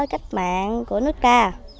cách mạng của nước ta